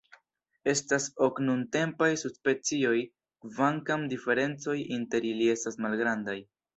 Estas ok nuntempaj subspecioj, kvankam diferencoj inter ili estas malgrandaj.